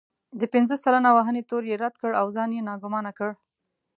د پنځه سلنه وهنې تور يې رد کړ او ځان يې ناګومانه کړ.